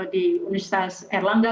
di universitas erlangga